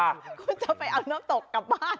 คุณจะไปเอาน้ำตกกลับบ้าน